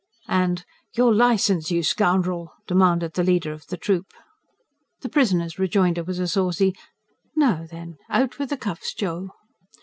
And: "Your licence, you scoundrel!" demanded the leader of the troop. The prisoner's rejoinder was a saucy: "Now then, out with the cuffs, Joe!"